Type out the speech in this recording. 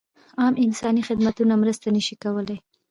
عام انساني خدمتونه مرسته نه شي کولای.